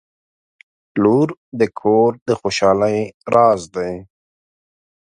• لور د کور د خوشحالۍ راز دی.